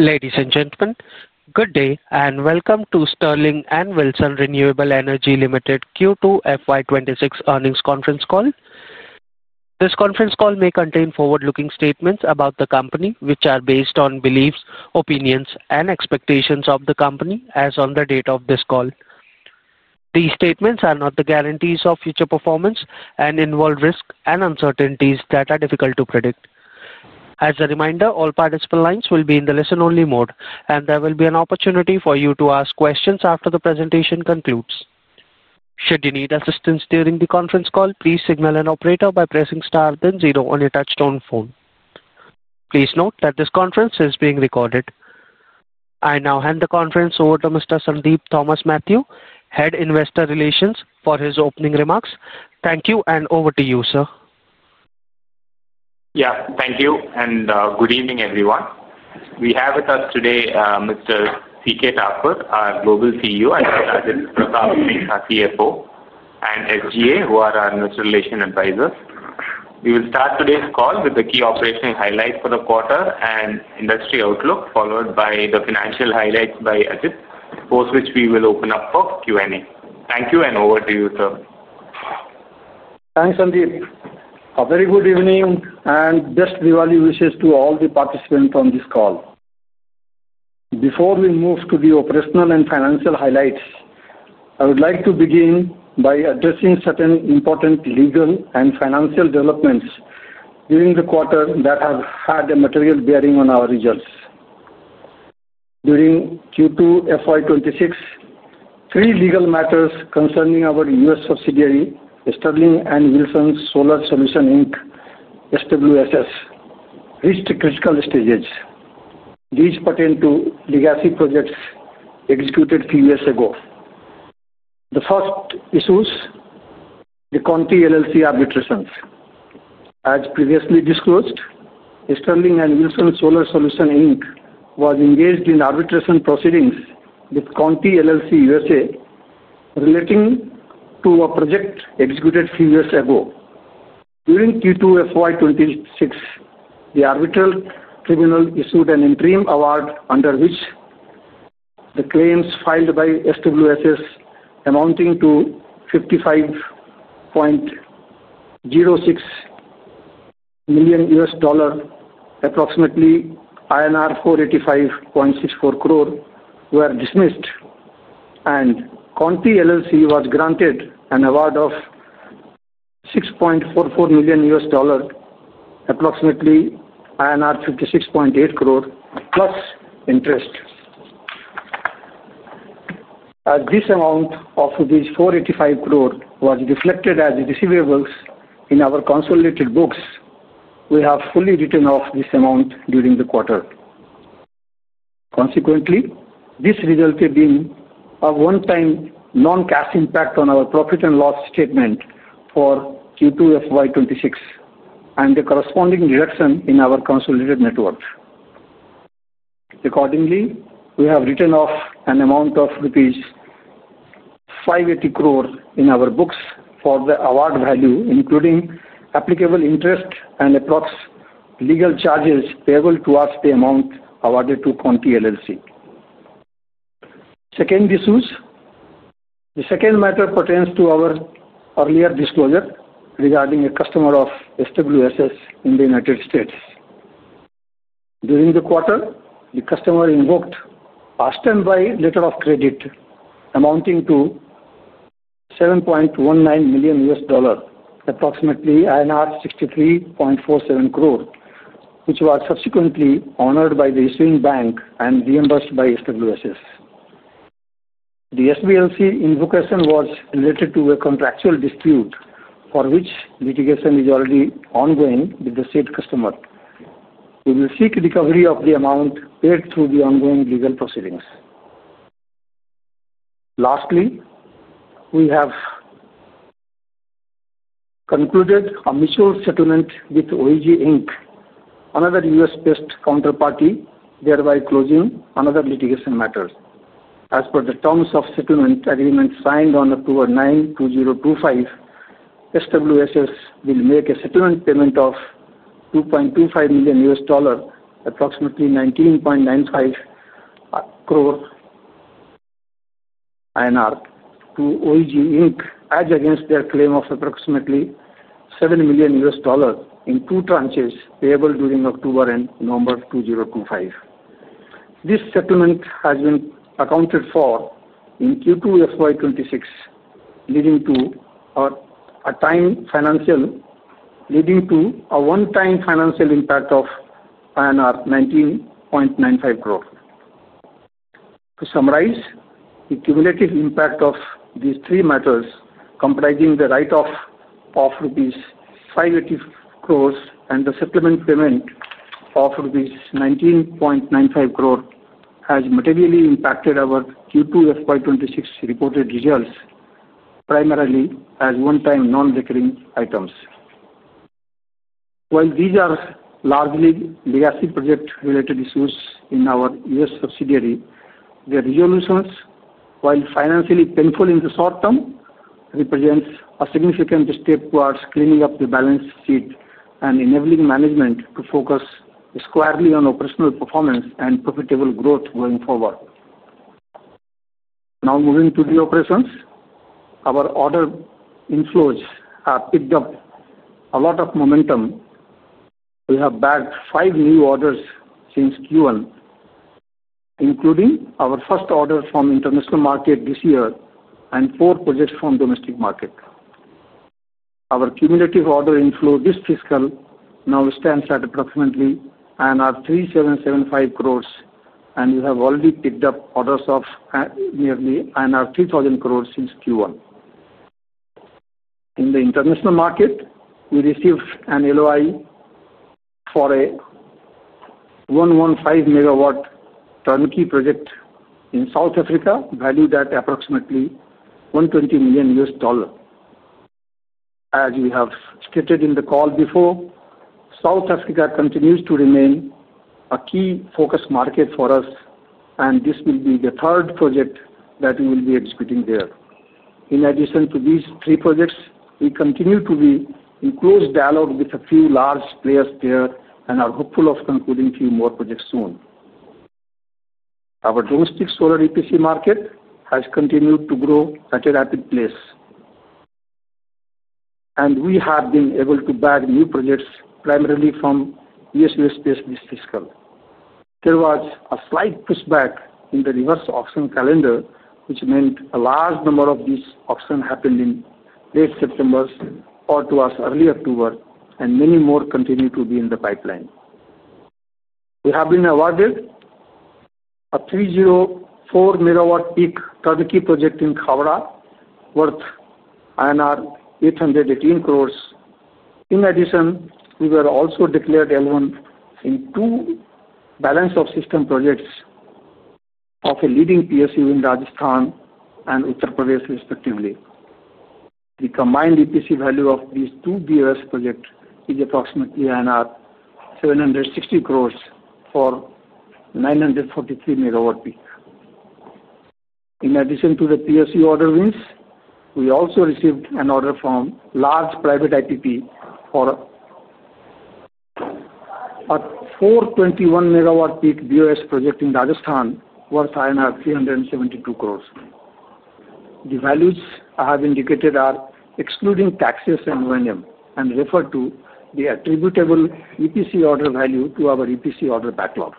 Ladies and gentlemen, good day and welcome to Sterling and Wilson Renewable Energy Limited Q2 FY26 earnings conference call. This conference call may contain forward-looking statements about the company, which are based on beliefs, opinions, and expectations of the company, as on the date of this call. These statements are not the guarantees of future performance and involve risks and uncertainties that are difficult to predict. As a reminder, all participant lines will be in the listen-only mode, and there will be an opportunity for you to ask questions after the presentation concludes. Should you need assistance during the conference call, please signal an operator by pressing star, then zero on your touchtone phone. Please note that this conference is being recorded. I now hand the conference over to Mr. Sandeep Thomas Mathew, Head Investor Relations, for his opening remarks. Thank you and over to you, sir. Yeah, thank you and good evening, everyone. We have with us today Mr. Chandra Kishore Thakur, our Global CEO, and Aziz Prabhu, our CFO, and SGA, who are our Mutual Relations Advisors. We will start today's call with the key operational highlights for the quarter and industry outlook, followed by the financial highlights by Aziz, post which we will open up for Q&A. Thank you and over to you, sir. Thanks, Sandeep. A very good evening and best of luck to all the participants on this call. Before we move to the operational and financial highlights, I would like to begin by addressing certain important legal and financial developments during the quarter that have had a material bearing on our results. During Q2 FY26, three legal matters concerning our U.S. subsidiary, Sterling and Wilson Solar Solutions Inc. (SWSS), reached critical stages. These pertain to legacy projects executed a few years ago. The first issue is the Conti LLC arbitration. As previously disclosed, Sterling and Wilson Solar Solutions Inc. was engaged in arbitration proceedings with Conti LLC, U.S.A., relating to a project executed a few years ago. During Q2 FY26, the arbitral tribunal issued an interim award under which the claims filed by SWSS, amounting to $55.06 million, approximately INR 485.64 crore, were dismissed, and Conti LLC was granted an award of $6.44 million, approximately INR 56.8 crore, plus interest. As this amount of these 485 crore was reflected as receivables in our consolidated books, we have fully written off this amount during the quarter. Consequently, this resulted in a one-time non-cash impact on our profit and loss statement for Q2 FY26 and the corresponding reduction in our consolidated net worth. Accordingly, we have written off an amount of rupees 580 crore in our books for the award value, including applicable interest and the prox legal charges payable towards the amount awarded to Conti LLC. The second matter pertains to our earlier disclosure regarding a customer of SWSS in the United States. During the quarter, the customer invoked a standby letter of credit amounting to $7.19 million, approximately INR 63.47 crore, which was subsequently honored by the issuing bank and reimbursed by SWSS. The SWSS invocation was related to a contractual dispute for which litigation is already ongoing with the said customer. We will seek recovery of the amount paid through the ongoing legal proceedings. Lastly, we have concluded a mutual settlement with OEG Inc., another U.S.-based counterparty, thereby closing another litigation matter. As per the terms of the settlement agreement signed on October 9, 2025, SWSS will make a settlement payment of $2.25 million, approximately INR 19.95 crore, to OEG Inc. as against their claim of approximately $7 million in two tranches payable during October and November 2025. This settlement has been accounted for in Q2 FY26, leading to a one-time financial impact of INR 19.95 crore. To summarize, the cumulative impact of these three matters, comprising the write-off of rupees 580 crore and the settlement payment of rupees 19.95 crore, has materially impacted our Q2 FY26 reported results, primarily as one-time non-recurring items. While these are largely legacy project-related issues in our U.S. subsidiary, the resolutions, while financially painful in the short term, represent a significant step towards cleaning up the balance sheet and enabling management to focus squarely on operational performance and profitable growth going forward. Now moving to the operations, our order inflows have picked up a lot of momentum. We have bagged five new orders since Q1, including our first order from the international market this year and four projects from the domestic market. Our cumulative order inflow this fiscal now stands at approximately 3,775 crore, and we have already picked up orders of nearly 3,000 crore since Q1. In the international market, we received an LOI for a 115 MW turnkey project in South Africa, valued at approximately $120 million. As we have stated in the call before, South Africa continues to remain a key focus market for us, and this will be the third project that we will be executing there. In addition to these three projects, we continue to be in close dialogue with a few large players there and are hopeful of concluding a few more projects soon. Our domestic solar EPC market has continued to grow at a rapid pace, and we have been able to bag new projects primarily from U.S.-based this fiscal. There was a slight pushback in the reverse auction calendar, which meant a large number of these auctions happened in late September or towards early October, and many more continue to be in the pipeline. We have been awarded a 304 MWp turnkey project in Kahara worth INR 818 crore. In addition, we were also declared L1 in two Balance of System projects of a leading PSU in Rajasthan and Uttar Pradesh, respectively. The combined EPC value of these two BOS projects is approximately 760 crore for 943 MWp. In addition to the PSU order wins, we also received an order from a large private IPP for a 421 MWp BOS project in Rajasthan worth 372 crore. The values I have indicated are excluding taxes and refer to the attributable EPC order value to our EPC order backlog.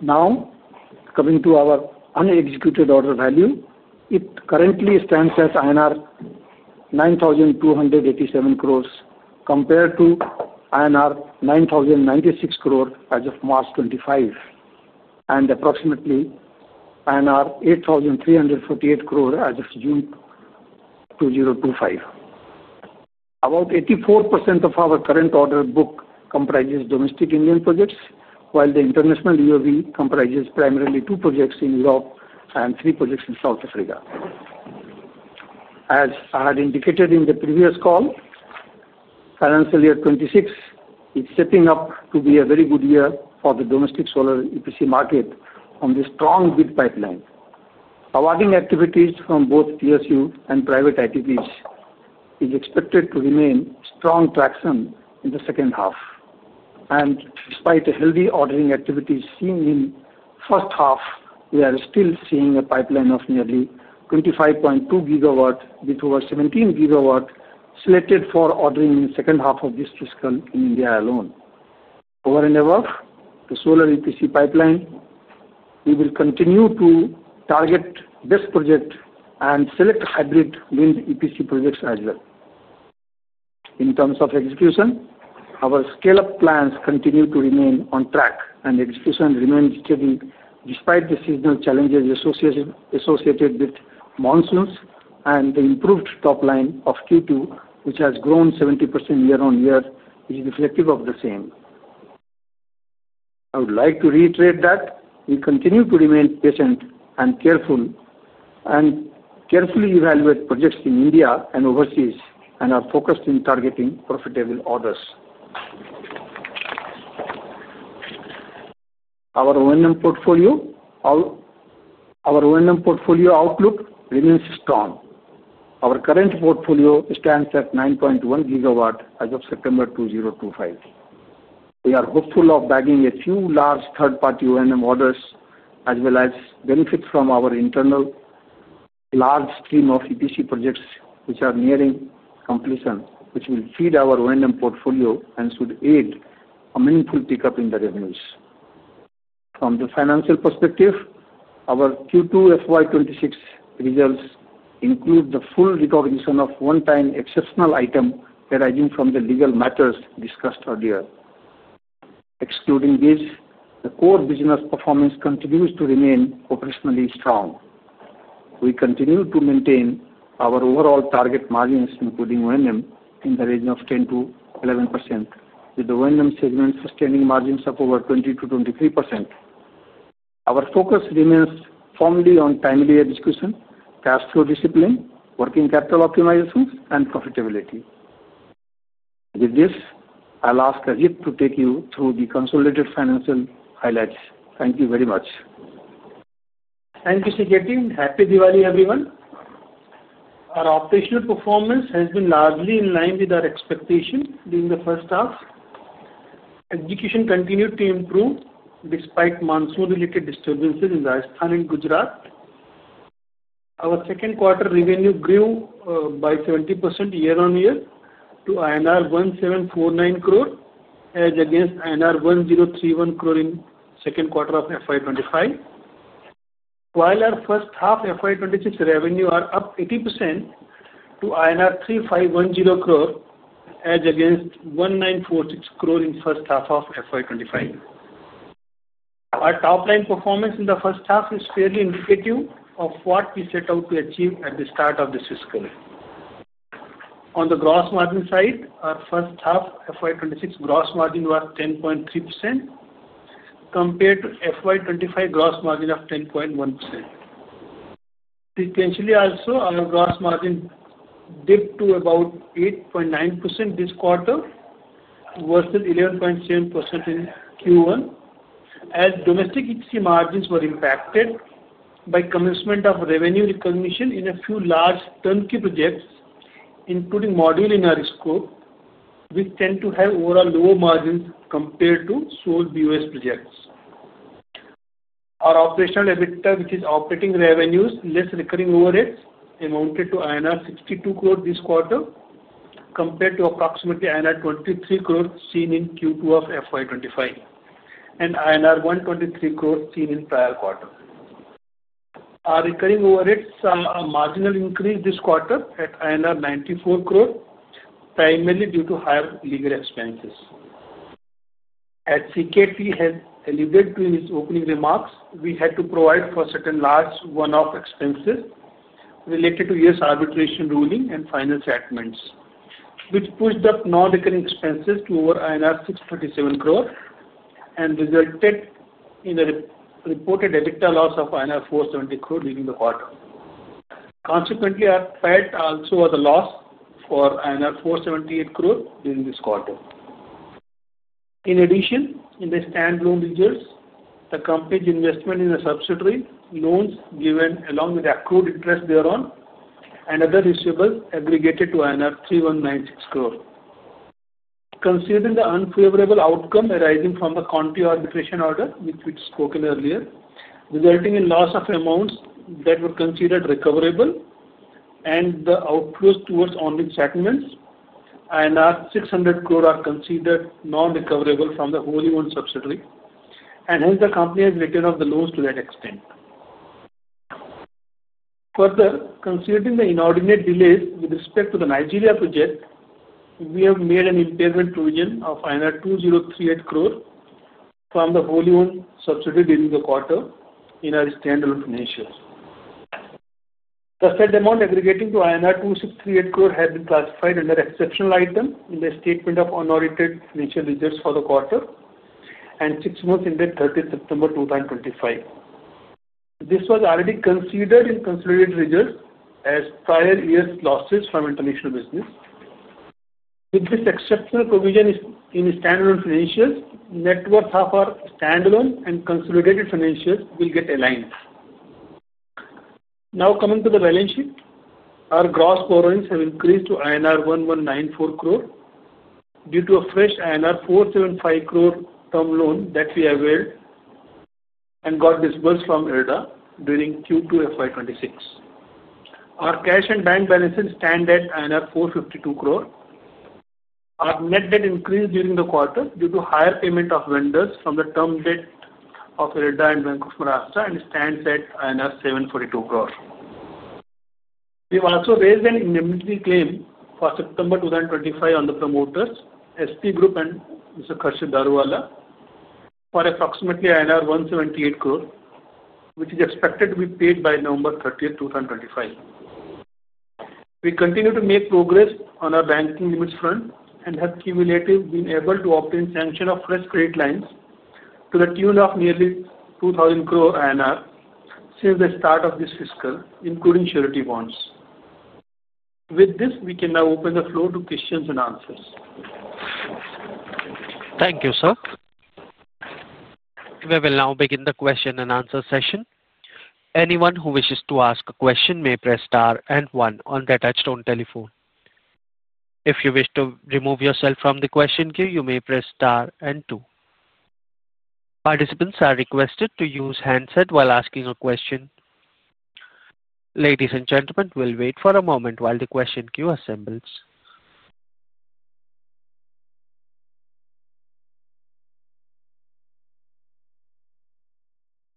Now, coming to our unexecuted order value, it currently stands at INR 9,287 crore compared to INR 9,096 crore as of March 2025 and approximately INR 8,348 crore as of June 2025. About 84% of our current order book comprises domestic Indian projects, while the international unexecuted order book comprises primarily two projects in Europe and three projects in South Africa. As I had indicated in the previous call, financial year 2026 is stepping up to be a very good year for the domestic solar EPC market on the strong bid pipeline. Awarding activities from both PSU banks and private IPPs is expected to remain strong traction in the second half. Despite healthy ordering activities seen in the first half, we are still seeing a pipeline of nearly 25.2 gigawatts with over 17 gigawatts selected for ordering in the second half of this fiscal in India alone. Over and above the solar EPC pipeline, we will continue to target this project and select hybrid wind EPC projects as well. In terms of execution, our scale-up plans continue to remain on track, and execution remains steady despite the seasonal challenges associated with monsoons and the improved top line of Q2, which has grown 70% year on year, which is reflective of the same. I would like to reiterate that we continue to remain patient and carefully evaluate projects in India and overseas and are focused in targeting profitable orders. Our O&M portfolio outlook remains strong. Our current portfolio stands at 9.1 gigawatts as of September 2025. We are hopeful of bagging a few large third-party O&M orders, as well as benefit from our internal large stream of EPC projects, which are nearing completion, which will feed our O&M portfolio and should aid a meaningful pickup in the revenues. From the financial perspective, our Q2 FY2026 results include the full recognition of one-time exceptional item arising from the legal matters discussed earlier. Excluding these, the core business performance continues to remain operationally strong. We continue to maintain our overall target margins, including O&M, in the range of 10% to 11%, with the O&M segment sustaining margins of over 20%-23%. Our focus remains firmly on timely execution, cash flow discipline, working capital optimizations, and profitability. With this, I'll ask Aziz to take you through the consolidated financial highlights. Thank you very much. Thank you, Sajati. And happy Diwali, everyone. Our operational performance has been largely in line with our expectations during the first half. Execution continued to improve despite monsoon-related disturbances in Rajasthan and Gujarat. Our second quarter revenue grew by 70% year on year to INR 1,749 crore as against INR 1,031 crore in the second quarter of FY25, while our first half FY26 revenue is up 80% to INR 3,510 crore as against 1,946 crore in the first half of FY25. Our top-line performance in the first half is fairly indicative of what we set out to achieve at the start of this fiscal. On the gross margin side, our first half FY26 gross margin was 10.3% compared to FY25 gross margin of 10.1%. Sequentially, also, our gross margin dipped to about 8.9% this quarter versus 11.7% in Q1 as domestic EPC margins were impacted by commencement of revenue recognition in a few large turnkey projects, including module in our scope, which tend to have overall lower margins compared to sole BOS projects. Our operational EBITDA, which is operating revenues less recurring overheads, amounted to INR 62 crore this quarter compared to approximately INR 23 crore seen in Q2 of FY25 and INR 123 crore seen in prior quarter. Our recurring overheads are a marginal increase this quarter at INR 94 crore, primarily due to higher legal expenses. As C.K. had alluded to in his opening remarks, we had to provide for certain large one-off expenses related to U.S. arbitration ruling and finance admins, which pushed up non-recurring expenses to over INR 627 crore and resulted in a reported EBITDA loss of INR 470 crore during the quarter. Consequently, our PAT also was a loss for INR 478 crore during this quarter. In addition, in the standalone results, the company's investment in the subsidiary loans given along with the accrued interest thereon and other receivables aggregated to 3,196 crore. Considering the unfavorable outcome arising from the Conti LLC arbitration order, which we've spoken earlier, resulting in loss of amounts that were considered recoverable and the outflows towards only segments, 600 crore are considered non-recoverable from the wholly owned subsidiary, and hence, the company has written off the loans to that extent. Further, considering the inordinate delays with respect to the Nigeria project, we have made an impairment provision of 2,038 crore from the wholly owned subsidiary during the quarter in our standalone financials. The set amount aggregating to INR 2,638 crore has been classified under exceptional item in the statement of unaudited financial results for the quarter and six months ended September 30, 2025. This was already considered in consolidated results as prior years' losses from international business. With this exceptional provision in standalone financials, net worth of our standalone and consolidated financials will get aligned. Now coming to the balance sheet, our gross borrowings have increased to INR 1,194 crore due to a fresh INR 475 crore term loan that we have held and got disbursed from IREDA during Q2 FY26. Our cash and bank balances stand at 452 crore. Our net debt increased during the quarter due to higher payment of vendors from the term debt of IREDA and Bank of Maharashtra and stands at INR 742 crore. We've also raised an indemnity claim for September 2025 on the promoters, SP Group and Mr. Kashyad Daruwala, for approximately INR 178 crore, which is expected to be paid by November 30, 2025. We continue to make progress on our banking limits front and have been able to obtain sanction of fresh credit lines to the tune of nearly 2,000 crore since the start of this fiscal, including surety bonds. With this, we can now open the floor to questions and answers. Thank you, sir. We will now begin the question and answer session. Anyone who wishes to ask a question may press star and one on the touchtone telephone. If you wish to remove yourself from the question queue, you may press star and two. Participants are requested to use handset while asking a question. Ladies and gentlemen, we'll wait for a moment while the question queue assembles.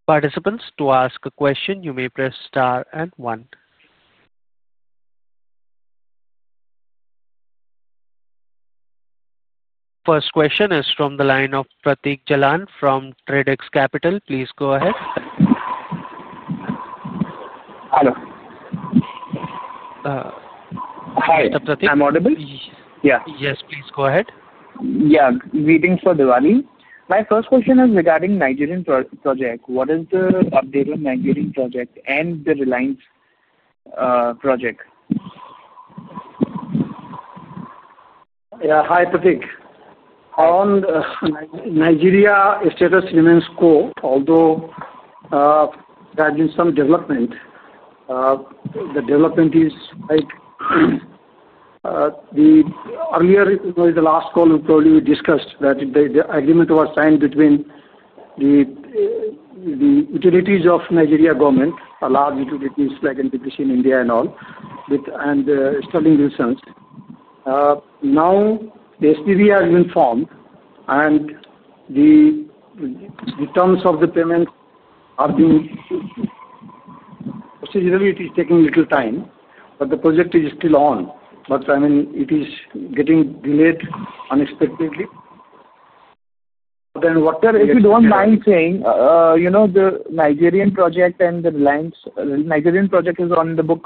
Participants, to ask a question, you may press star and one. First question is from the line of Pratig Jalan from Tradex Capital. Please go ahead. Hi. Hi, Mr. Pratik. I'm audible? Yeah. Yes, please go ahead. Yeah. Greetings for Diwali. My first question is regarding the Nigerian project. What is the update on the Nigerian project and the Reliance project? Yeah. Hi, Pratig. On Nigeria Estate Settlements Corp, although there have been some developments, the development is like the earlier, in the last call, we probably discussed that the agreement was signed between the utilities of the Nigeria government, a lot of utilities like NPPC in India and all, and Sterling and Wilson. Now, the SPV has been formed, and the terms of the payments are being procedurally, it is taking a little time, but the project is still on. I mean, it is getting delayed unexpectedly. What are the? If you don't mind saying, you know the Nigerian project and the Reliance Nigerian project is on the book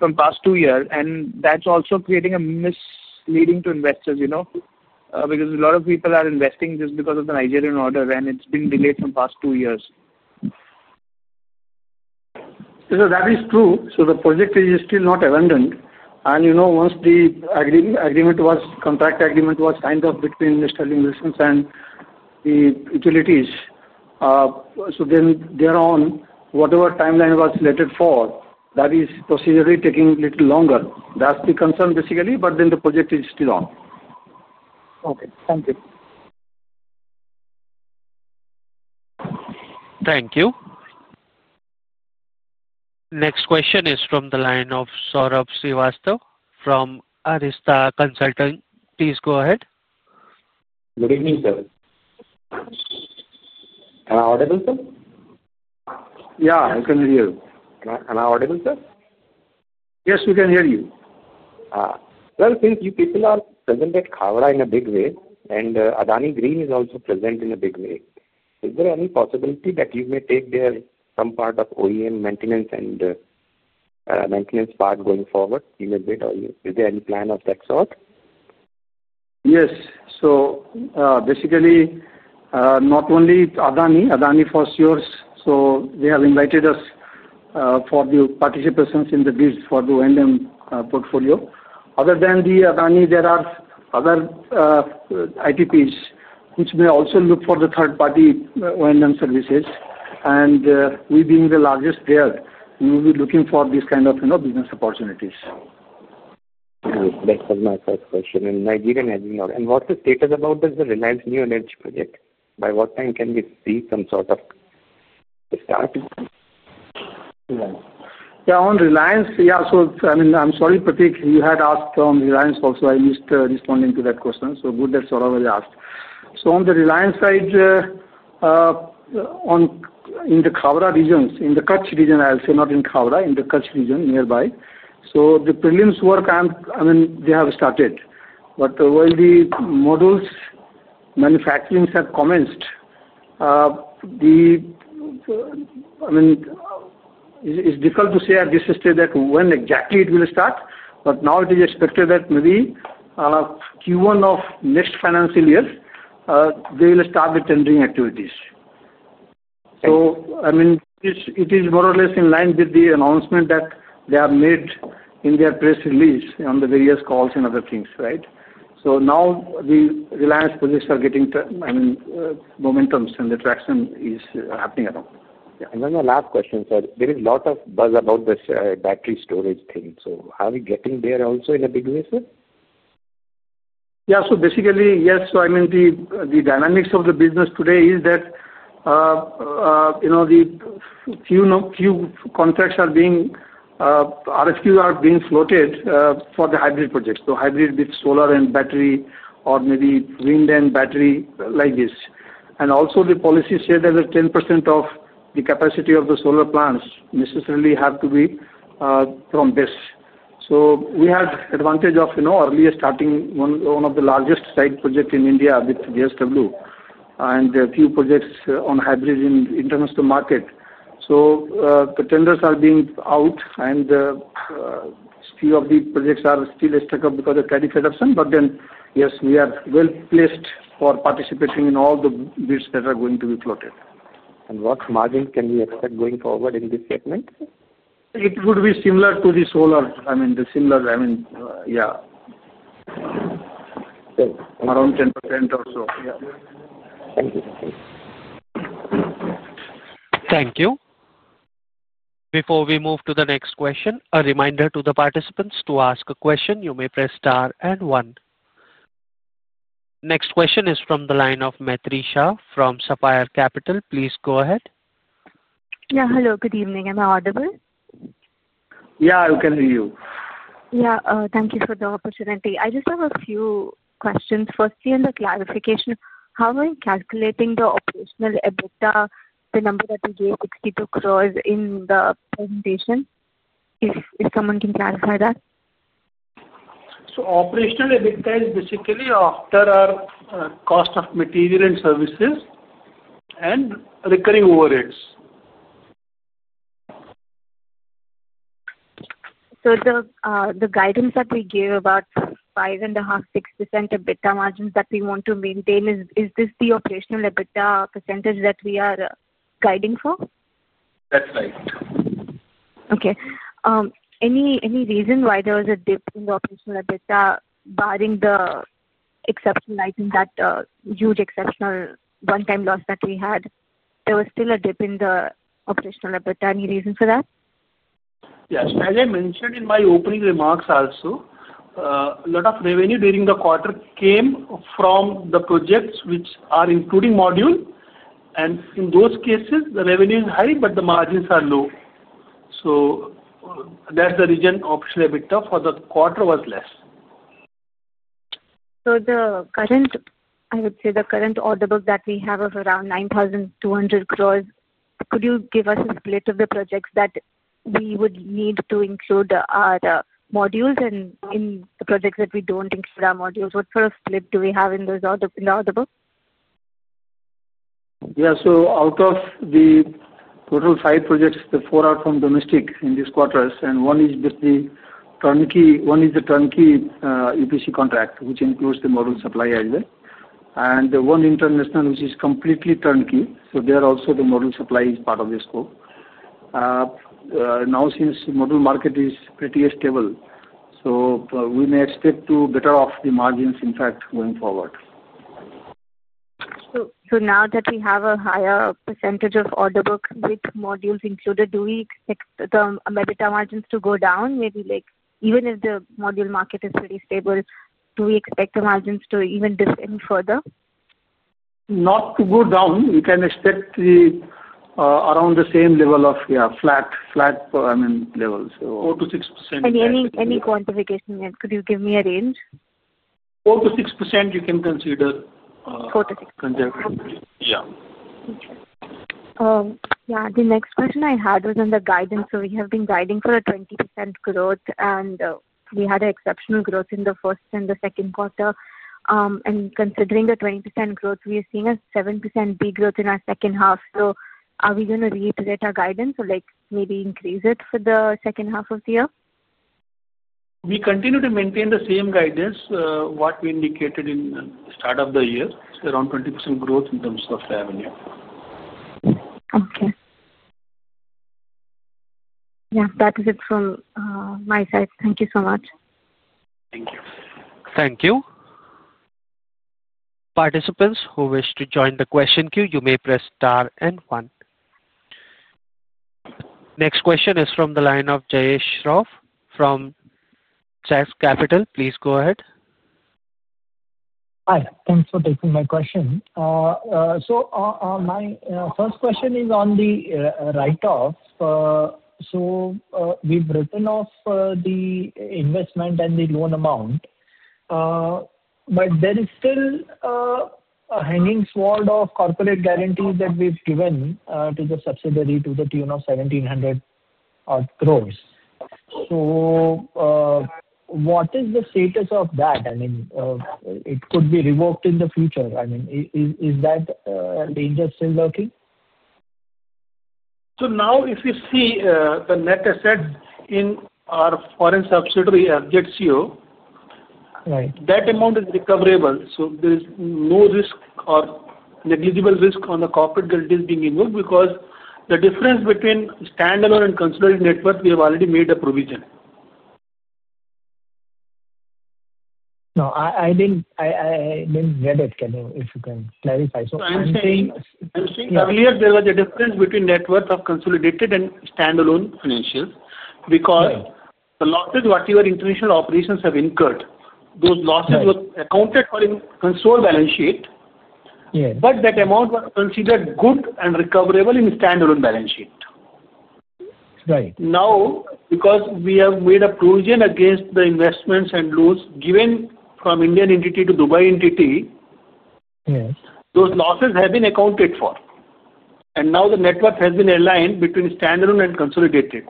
from the past two years, and that's also creating a misleading to investors, you know, because a lot of people are investing just because of the Nigerian order, and it's been delayed for the past two years. That is true. The project is still not abandoned. Once the contract agreement was signed up between Sterling and Wilson Renewable Energy Limited and the utilities, whatever timeline was selected for that is procedurally taking a little longer. That's the concern, basically, but the project is still on. Okay. Thank you. Thank you. Next question is from the line of Saurabh Srivastava from Arista Consulting. Please go ahead. Good evening, sir. Am I audible, sir? Yeah, I can hear you. Am I audible, sir? Yes, we can hear you. Since you people are present at Kahara in a big way, and Adani Green is also present in a big way, is there any possibility that you may take there some part of O&M maintenance and maintenance part going forward in a bit? Or is there any plan of that sort? Yes. Basically, not only Adani, Adani for Sewers, they have invited us for the participation in the bids for the O&M portfolio. Other than Adani, there are other IPPs which may also look for the third-party O&M services. We, being the largest there, will be looking for these kind of business opportunities. That was my first question. Nigerian engineer, what's the status about this Reliance New Energy project? By what time can we see some sort of start? Yeah, on Reliance, yeah. I'm sorry, Pratig, you had asked on Reliance also. I missed responding to that question. Good that Saurabh asked. On the Reliance side, in the Kutch region, I'll say not in Kahara, in the Kutch region nearby. The prelims work, I mean, they have started. While the modules manufacturing has commenced, it's difficult to say at this stage when exactly it will start, but now it is expected that maybe Q1 of next financial year, they will start the tendering activities. It is more or less in line with the announcement that they have made in their press release on the various calls and other things, right? Now the Reliance projects are getting momentums, and the traction is happening around. The last question, sir, there is a lot of buzz about this battery energy storage solutions thing. Are we getting there also in a big way, sir? Yeah. Basically, yes. I mean, the dynamics of the business today is that the few contracts are being, RFQs are being floated for the hybrid projects. Hybrid with solar and battery or maybe wind and battery like this. Also, the policy said that 10% of the capacity of the solar plants necessarily have to be from this. We have the advantage of earlier starting one of the largest site projects in India with JSW and a few projects on hybrid in the international market. The tenders are being out, and a few of the projects are still stuck up because of Chetan Khulbe. Yes, we are well-placed for participating in all the bids that are going to be floated. What margins can we expect going forward in this segment? It would be similar to the solar. I mean, similar, yeah, around 10% or so. Yeah. Thank you, Sajit. Thank you. Before we move to the next question, a reminder to the participants: to ask a question, you may press star and one. Next question is from the line of Maitreisha from Supplier Capital. Please go ahead. Yeah. Hello, good evening. Am I audible? Yeah, I can hear you. Yeah, thank you for the opportunity. I just have a few questions. Firstly, on the clarification, how are we calculating the operational EBITDA, the number that you gave 62 crore in the presentation? If someone can clarify that. Operational EBITDA is basically after our cost of material and services and recurring overheads. The guidance that we gave about 5.5%-6% EBITDA margins that we want to maintain, is this the operational EBITDA % that we are guiding for? That's right. Okay. Any reason why there was a dip in the operational EBITDA barring the exceptional item, that huge exceptional one-time loss that we had? There was still a dip in the operational EBITDA. Any reason for that? Yes. As I mentioned in my opening remarks also, a lot of revenue during the quarter came from the projects which are including module. In those cases, the revenue is high, but the margins are low. That's the reason the operational EBITDA for the quarter was less. The current, I would say the current order book that we have of around 9,200 crore, could you give us a split of the projects that would need to include our modules and the projects that don't include our modules? What sort of split do we have in those in the order book? Yeah. Out of the total five projects, four are from domestic in these quarters, and one is the turnkey EPC contract, which includes the module supply as well. The one international, which is completely turnkey, so there also the module supply is part of the scope. Now, since the module market is pretty stable, we may expect to better off the margins, in fact, going forward. Now that we have a higher % of order book with modules included, do we expect the EBITDA margins to go down? Maybe, like even if the module market is pretty stable, do we expect the margins to even dip any further? Not to go down. We can expect around the same level, yeah, flat levels, so 4% to 6%. Could you give me a range for any quantification? 4% to 6% you can consider. 4% to 6%. Yeah. Okay. The next question I had was on the guidance. We have been guiding for a 20% growth, and we had an exceptional growth in the first and the second quarter. Considering the 20% growth, we are seeing a 7% big growth in our second half. Are we going to reiterate our guidance or maybe increase it for the second half of the year? We continue to maintain the same guidance, what we indicated in the start of the year, around 20% growth in terms of revenue. Okay, that is it from my side. Thank you so much. Thank you. Thank you. Participants who wish to join the question queue, you may press star and one. Next question is from the line of Jayesh Roth from SAS Capital. Please go ahead. Hi. Thanks for taking my question. My first question is on the write-off. We've written off the investment and the loan amount, but there is still a hanging sword of corporate guarantees that we've given to the subsidiary to the tune of 1,700 crore. What is the status of that? I mean, it could be revoked in the future. Is that danger still lurking? If you see, the net assets in our foreign subsidiary, that amount is recoverable. There is no risk or negligible risk on the corporate guarantee being removed because the difference between standalone and consolidated net worth, we have already made a provision. No, I didn't get it. Can you, if you can, clarify? Earlier, there was a difference between net worth of consolidated and standalone financials because the losses whatever international operations have incurred, those losses were accounted for in the control balance sheet. Yes, but that amount was considered good and recoverable in the standalone balance sheet. Right now, because we have made a provision against the investments and loans given from Indian entity to Dubai entity, those losses have been accounted for. Now the net worth has been aligned between standalone and consolidated.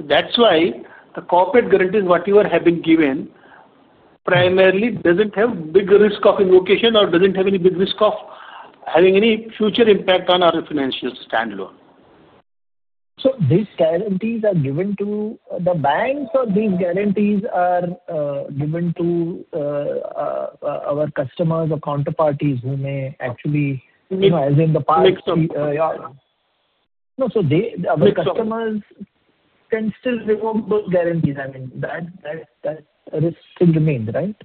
That's why the corporate guarantees whatever have been given primarily doesn't have big risk of invocation or doesn't have any big risk of having any future impact on our financial standalone. Are these guarantees given to the banks, or are these guarantees given to our customers or counterparties who may actually, you know, as in the past? Next up. No, our customers can still remove those guarantees. I mean, that risk still remains, right?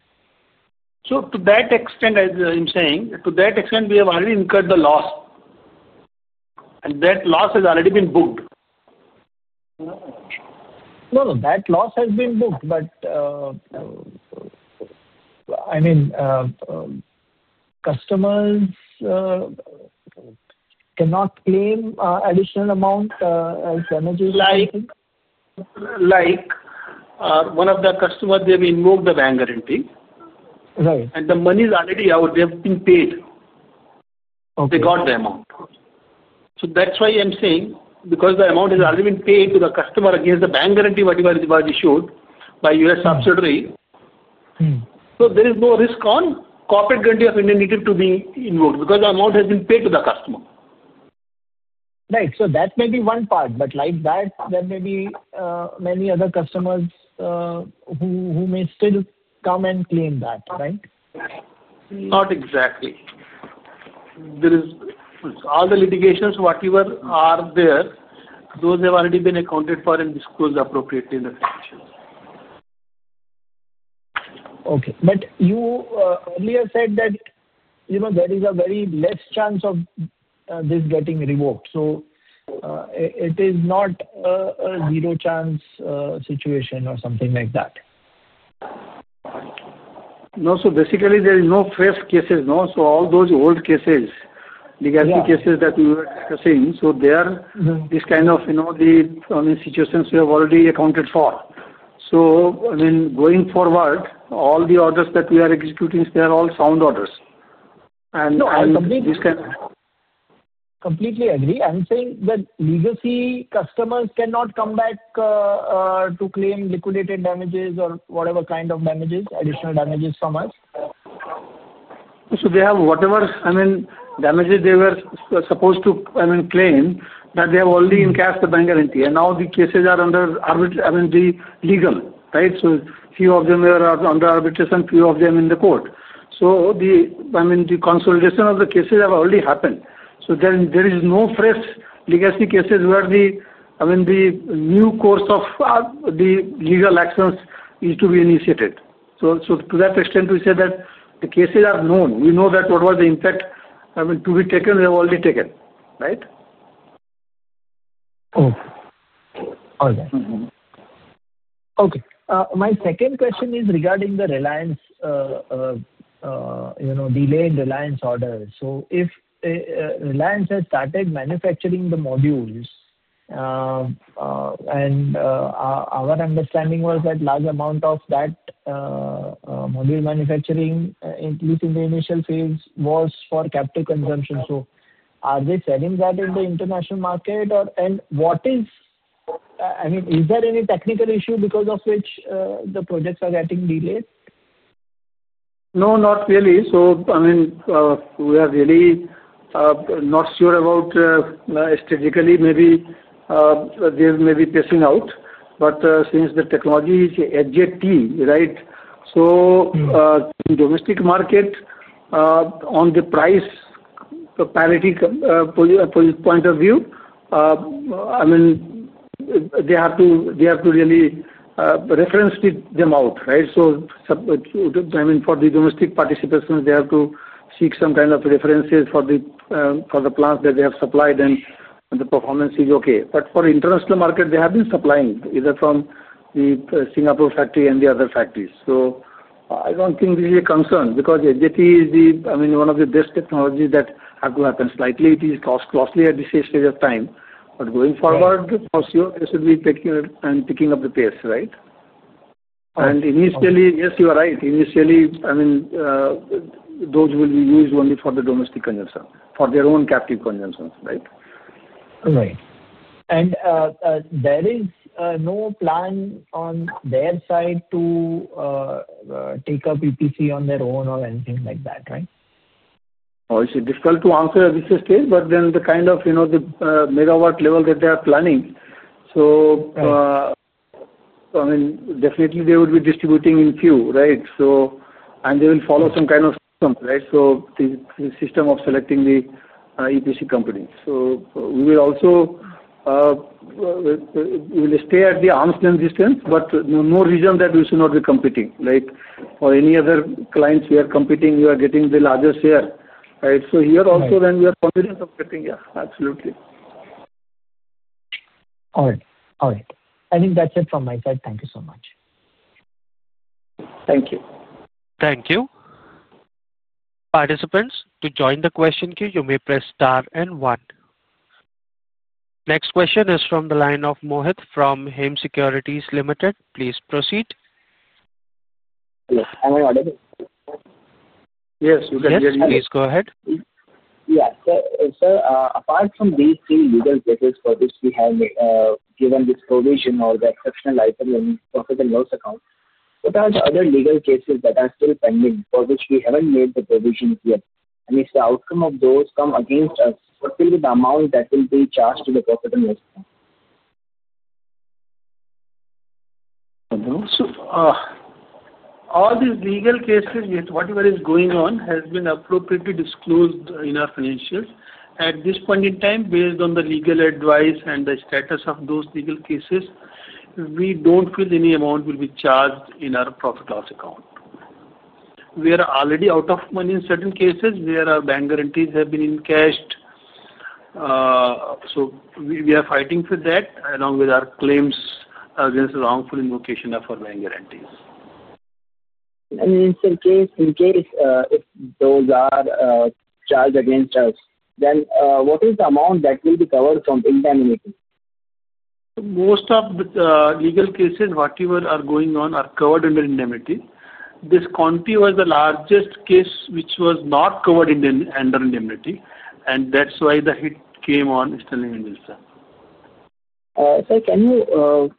To that extent, as I'm saying, to that extent, we have already incurred the loss, and that loss has already been booked. No, that loss has been booked. Customers cannot claim additional amount as energy license. Like one of the customers, they removed the bank guarantee, right, and the money is already out. They have been paid. Okay, they got the amount. That's why I'm saying because the amount has already been paid to the customer against the bank guarantee, whatever it was issued by U.S. subsidiary. There is no risk on corporate guarantee of Indian entity to be removed because the amount has been paid to the customer. Right. That may be one part, but like that, there may be many other customers who may still come and claim that, right? Not exactly. All the litigations, whatever are there, those have already been accounted for and disclosed appropriately in the financials. Okay. Earlier you said that, you know, there is a very less chance of this getting revoked. It is not a zero chance situation or something like that. No, there is no fresh cases. All those old cases, legacy cases that we were discussing, they are this kind of, you know, the situations we have already accounted for. Going forward, all the orders that we are executing, they are all sound orders. This kind of. Completely agree. I'm saying that legacy customers cannot come back to claim liquidated damages or whatever kind of damages, additional damages from us. They have whatever damages they were supposed to claim, they have already encashed the bank guarantee. The cases are under legal proceedings. A few of them are under arbitration, a few of them in the court. The consolidation of the cases has already happened. There is no fresh legacy case where a new course of legal action is to be initiated. To that extent, we say that the cases are known. We know what was the impact to be taken; they have already taken it. Okay. My second question is regarding the Reliance, you know, delay in Reliance orders. If Reliance has started manufacturing the modules, and our understanding was that a large amount of that module manufacturing, at least in the initial phase, was for capital consumption. Are they selling that in the international market? What is, I mean, is there any technical issue because of which the projects are getting delayed? No, not really. I mean, we are really not sure about strategically, maybe they may be phasing out. Since the technology is edge-ate, right? In the domestic market, on the price point of view, I mean, they have to, they have to really reference with them out, right? For the domestic participants, they have to seek some kind of references for the plants that they have supplied and the performance is okay. For the international market, they have been supplying either from the Singapore factory and the other factories. I don't think this is a concern because edge-ate is, I mean, one of the best technologies that have to happen. Slightly, it is costly at this stage of time. Going forward, I'm sure they should be picking up the pace, right? Initially, yes, you are right. Initially, I mean, those will be used only for the domestic consumption, for their own capital consumption, right? Right, there is no plan on their side to take up EPC on their own or anything like that, right? It's difficult to answer at this stage, but the kind of megawatt level that they are planning, they would definitely be distributing in a few, right? They will follow some kind of system, the system of selecting the EPC companies. We will also stay at arm's length distance, but there's no reason that we should not be competing, right? For any other clients, we are competing, we are getting the largest share, right? Here also, we are competing for something. Yeah, absolutely. All right. I think that's it from my side. Thank you so much. Thank you. Thank you. Participants, to join the question queue, you may press star and one. Next question is from the line of Mohit from Hem Securities Limited. Please proceed. Yes, am I audible? Yes, you can hear me. Yes, please go ahead. Yeah. Sir, apart from these two legal cases for which we have given this provision or the exceptional item in the profit and loss account, what are the other legal cases that are still pending for which we haven't made the provisions yet? If the outcome of those come against us, what will be the amount that will be charged to the profit and loss account? All these legal cases with whatever is going on have been appropriately disclosed in our financials. At this point in time, based on the legal advice and the status of those legal cases, we don't feel any amount will be charged in our profit-loss account. We are already out of money in certain cases where our bank guarantees have been encashed. We are fighting for that along with our claims against the wrongful invocation of our bank guarantees. In this case, if those are charged against us, what is the amount that will be covered from indemnity? Most of the legal cases, whatever are going on, are covered under indemnity. This Conti was the largest case which was not covered under indemnity, and that's why the hit came on Sterling and Wilson. Sir, can you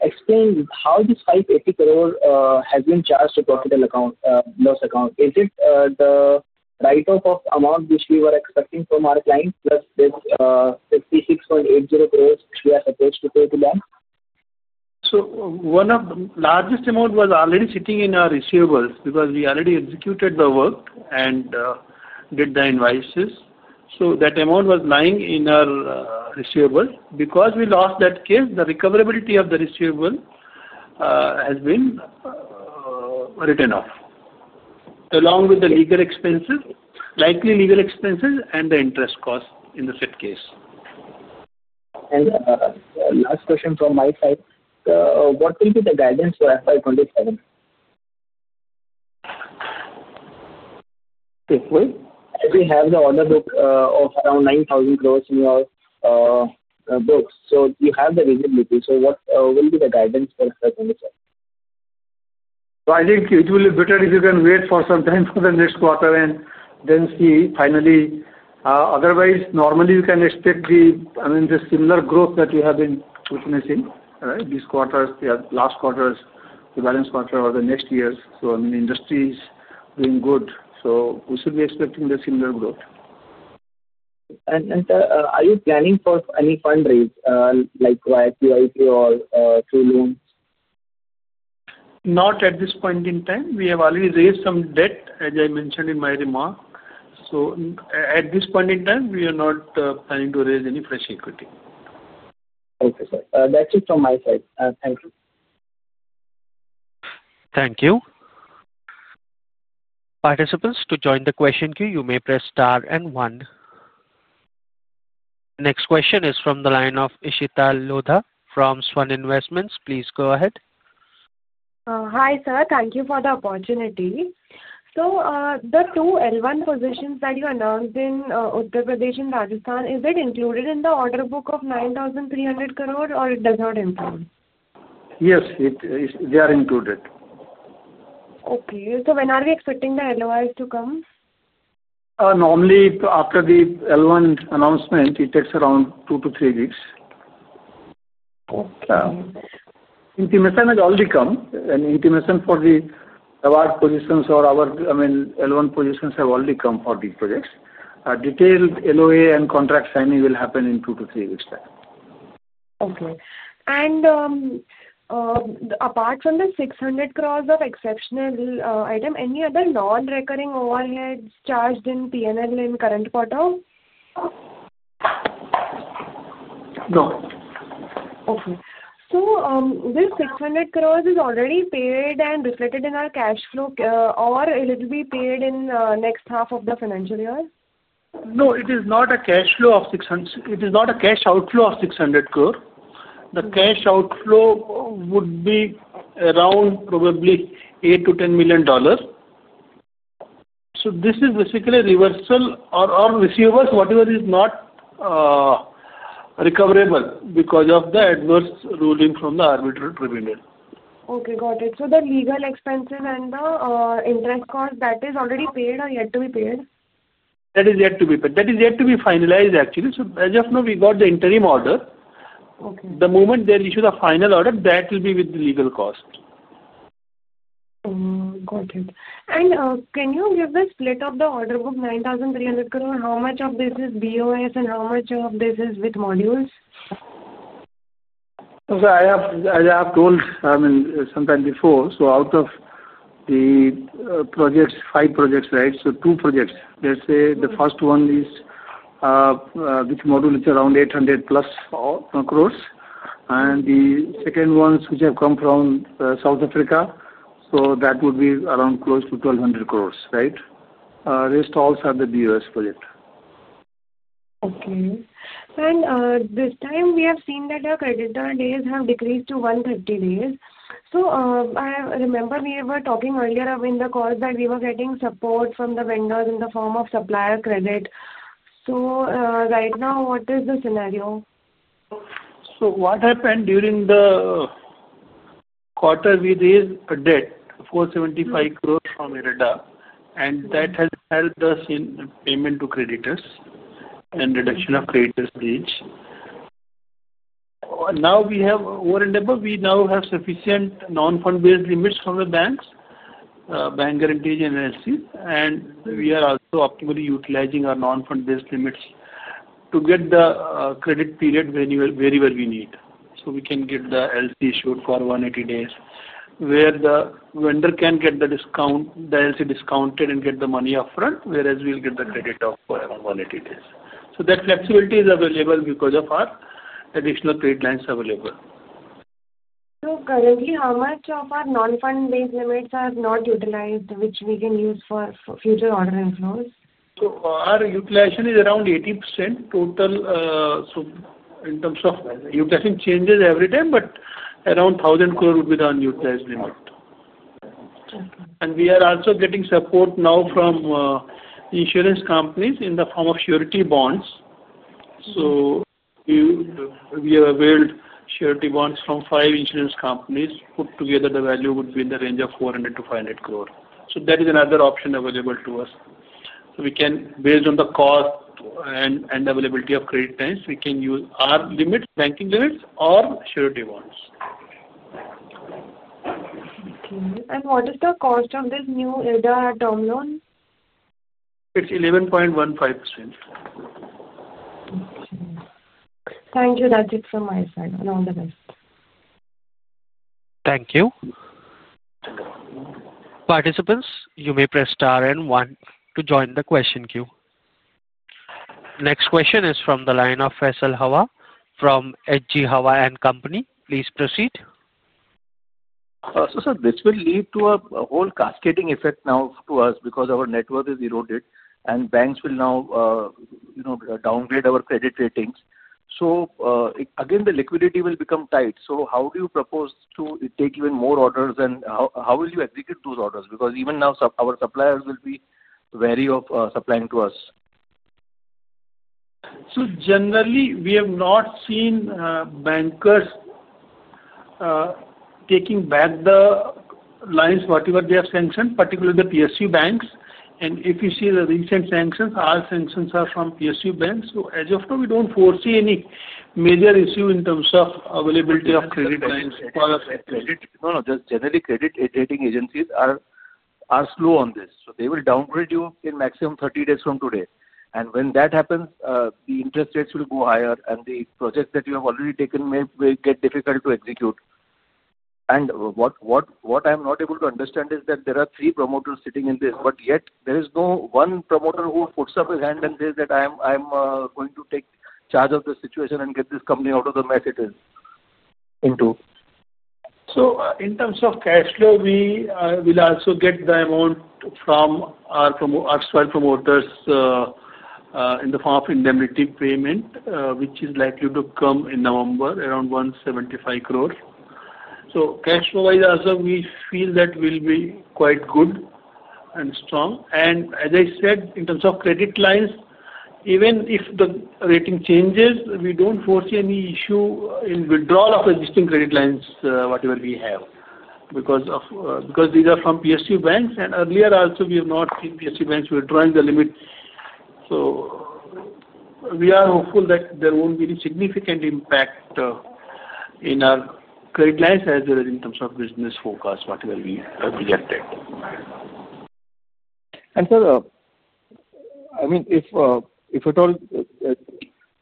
explain how this 580 crore has been charged to the profit and loss account? Is it the write-off of the amount which we were expecting from our clients, plus this 56.80 crore which we are supposed to pay to them? One of the largest amounts was already sitting in our receivables because we already executed the work and did the invoices. That amount was lying in our receivables. Because we lost that case, the recoverability of the receivable has been written off along with the legal expenses, likely legal expenses, and the interest cost in the fit case. What will be the guidance for FY 2027? Please, please. We have the order book of around 9,000 crores in your books. You have the visibility. What will be the guidance for FY 2027? I think it will be better if you can wait for some time for the next quarter and then see finally. Otherwise, normally, you can expect the similar growth that we have been witnessing these quarters, the last quarters, the balance quarter, or the next years. I mean, industry is doing good. We should be expecting the similar growth. Sir, are you planning for any fundraise, like QIP or through loans? Not at this point in time. We have already raised some debt, as I mentioned in my remark. At this point in time, we are not planning to raise any fresh equity. Okay, sir. That's it from my side. Thank you. Thank you. Participants, to join the question queue, you may press star and one. Next question is from the line of Ishita Lodha from Svan Investment. Please go ahead. Hi, sir. Thank you for the opportunity. The two L1 positions that you announced in Uttar Pradesh and Rajasthan, is it included in the order book of 9,300 crore, or it does not include? Yes, they are included. Okay, when are we expecting the LOIs to come? Normally, after the L1 announcement, it takes around two to three weeks. Intimacy has already come. Intimacy for the award positions or our, I mean, L1 positions have already come for these projects. A detailed LOA and contract signing will happen in two to three weeks' time. Okay. Apart from the 600 crore exceptional item, any other non-recurring overheads charged in P&L in the current quarter? No. Okay. This 600 crore is already paid and reflected in our cash flow, or it will be paid in the next half of the financial year? No, it is not a cash flow of 600 crore. It is not a cash outflow of 600 crore. The cash outflow would be around probably $8-$10 million. This is basically a reversal of receivables, whatever is not recoverable because of the adverse ruling from the arbitral tribunal. Got it. The legal expenses and the interest cost, that is already paid or yet to be paid? That is yet to be paid. That is yet to be finalized, actually. As of now, we got the interim order. The moment they issue the final order, that will be with the legal cost. Got it. Can you give the split of the order book, 9,300 crore? How much of this is BOS and how much of this is with modules? As I have told sometime before, out of the projects, five projects, right? Two projects, let's say the first one is with module, it's around 800-plus crore. The second ones which have come from South Africa, that would be around close to 1,200 crore, right? Rest also at the BOS project. Okay. At this time, we have seen that our credit turned days have decreased to 130 days. I remember we were talking earlier in the call that we were getting support from the vendors in the form of supplier credit. Right now, what is the scenario? During the quarter, we raised a debt of 475 crore from IREDA, and that has helped us in payment to creditors and reduction of creditors' age. Now we have, over and above, sufficient non-fund-based limits from the banks, bank guarantees, and LCs. We are also optimally utilizing our non-fund-based limits to get the credit period very well we need. We can get the LC issued for 180 days where the vendor can get the LC discounted and get the money upfront, whereas we'll get the credit of 180 days. That flexibility is available because of our additional trade lines available. Currently, how much of our non-fund-based limits are not utilized, which we can use for future order inflows? Our utilization is around 80% total. In terms of utilization, it changes every time, but around 1,000 crore would be the unutilized limit. We are also getting support now from insurance companies in the form of surety bonds. We have availed surety bonds from five insurance companies. Put together, the value would be in the range of 400 to 500 crore. That is another option available to us. Based on the cost and availability of credit times, we can use our limits, banking limits, or surety bonds. Okay. What is the cost of this new IREDA term loan? It's 11.15%. Okay, thank you. That's it from my side. All the best. Thank you. Participants, you may press star and one to join the question queue. Next question is from the line of Faisal Hawa from Eji Hawa & Company. Please proceed. Sir, this will lead to a whole cascading effect now to us because our net worth is eroded, and banks will now, you know, downgrade our credit ratings. Again, the liquidity will become tight. How do you propose to take even more orders, and how will you execute those orders? Because even now, our suppliers will be wary of supplying to us. Generally, we have not seen bankers taking back the lines, whatever they have sanctioned, particularly the PSU banks. If you see the recent sanctions, all sanctions are from PSU banks. As of now, we don't foresee any major issue in terms of availability of credit lines for us. No, just generally, credit rating agencies are slow on this. They will downgrade you in maximum 30 days from today. When that happens, the interest rates will go higher, and the projects that you have already taken may get difficult to execute. What I'm not able to understand is that there are three promoters sitting in this, yet there is no one promoter who puts up his hand and says that I'm going to take charge of the situation and get this company out of the mess it is into. In terms of cash flow, we will also get the amount from our 12 promoters in the form of indemnity payment, which is likely to come in November, around 175 crore. Cash flow-wise, also, we feel that will be quite good and strong. As I said, in terms of credit lines, even if the rating changes, we don't foresee any issue in withdrawal of existing credit lines, whatever we have, because these are from PSU banks. Earlier, also, we have not seen PSU banks withdrawing the limit. We are hopeful that there won't be any significant impact in our credit lines as well as in terms of business forecast, whatever we projected. Sir, if at all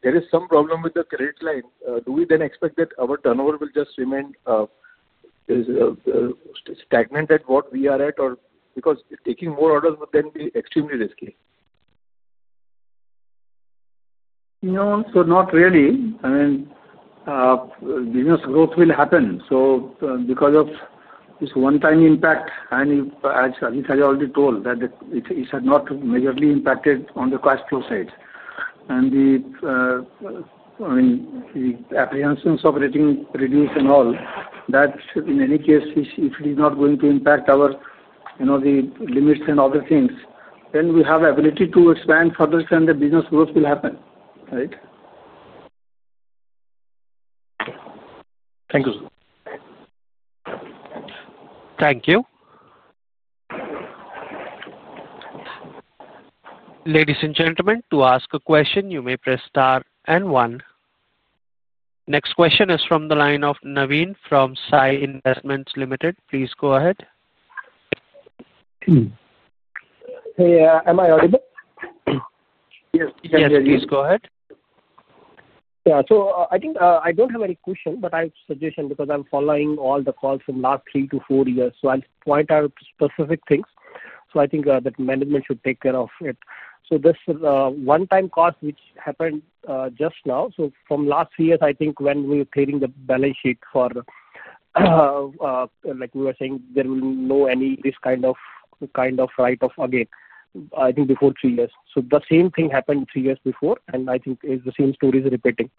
there is some problem with the credit line, do we then expect that our turnover will just remain stagnant at what we are at, or because taking more orders would then be extremely risky? No, not really. I mean, business growth will happen. Because of this one-time impact, and as I already told, it has not majorly impacted on the cash flow side. The apprehensions of rating reduced and all, that in any case, if it is not going to impact our, you know, the limits and other things, then we have the ability to expand further and the business growth will happen, right? Thank you, sir. Thank you. Ladies and gentlemen, to ask a question, you may press star and one. Next question is from the line of Naveen from Sai Investments Limited. Please go ahead. Hey, am I audible? Yes, you can. Yes, yes. Please go ahead. Yeah. I think I don't have any question, but I have a suggestion because I'm following all the calls from the last three to four years. I'll point out specific things. I think that management should take care of it. This one-time cost which happened just now, from the last three years, when we were clearing the balance sheet, we were saying there will be no this kind of write-off again, I think before three years. The same thing happened three years before, and the same story is repeating.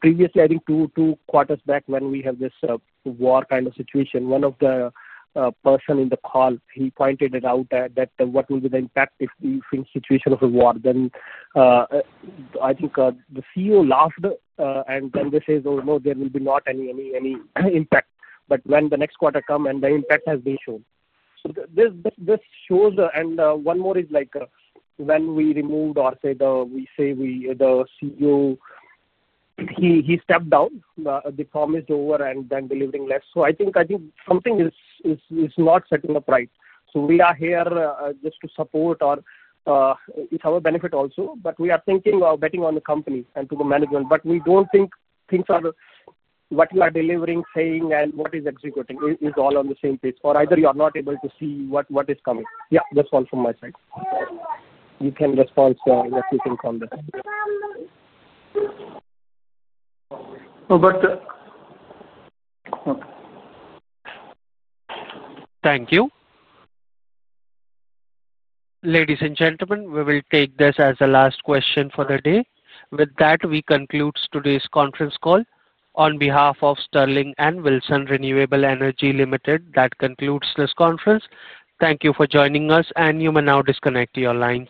Previously, two quarters back when we had this war kind of situation, one of the persons in the call pointed it out that what will be the impact if we face a situation of a war. I think the CEO laughed, and they said, "Oh, no, there will be not any impact." When the next quarter comes and the impact has been shown. This shows, and one more is like when we removed or say the CEO, he stepped down, they promised over and then delivering less. I think something is not setting the price. We are here just to support, or it's our benefit also, but we are thinking of betting on the company and to the management. We don't think things are what you are delivering, saying, and what is executing is all on the same page, or either you are not able to see what is coming. That's all from my side. You can respond what you think on this. Okay. Thank you. Ladies and gentlemen, we will take this as the last question for the day. With that, we conclude today's conference call. On behalf of Sterling and Wilson Renewable Energy Limited, that concludes this conference. Thank you for joining us, and you may now disconnect your lines.